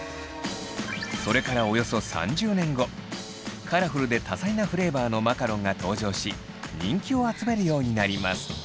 それからおよそ３０年後カラフルで多彩なフレーバーのマカロンが登場し人気を集めるようになります。